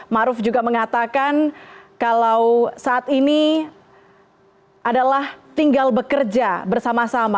maruf juga mengatakan kalau saat ini adalah tinggal bekerja bersama sama